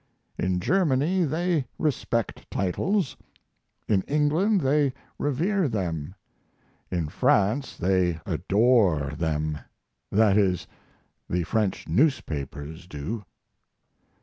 In Germany they respect titles, in England they revere them, in France they adore them. That is, the French newspapers do.